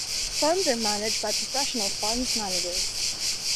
Funds are managed by professional funds managers.